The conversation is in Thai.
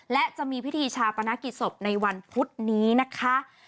และจะมีพิธีชาปนกิจศพในวันพุธนี้นะคะ